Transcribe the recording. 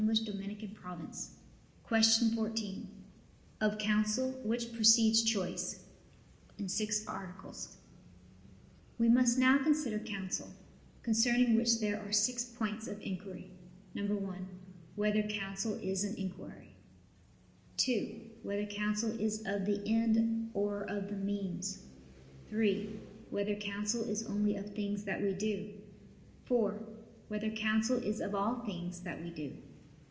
________________________ QUESTION 14 OF COUNSEL, WHICH PRECEDES CHOICE (In Six Articles) We must now consider counsel; concerning which there are six points of inquiry: (1) Whether counsel is an inquiry? (2) Whether counsel is of the end or of the means? (3) Whether counsel is only of things that we do? (4) Whether counsel is of all things that we do?